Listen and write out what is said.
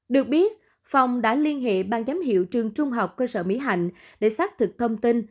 được biết phòng đã liên hệ ban giám hiệu trường trung học cơ sở mỹ hạnh để xác thực thông tin